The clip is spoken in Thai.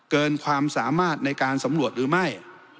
เกินความสามารถในการสำรวจหรือไม่